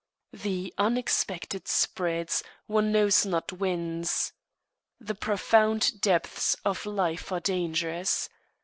The unexpected spreads, one knows not whence. The profound depths of life are dangerous.